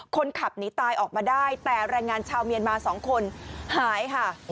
คนขับหนีตายออกมาได้แต่แรงงานชาวเมียนมา๒คนหายค่ะ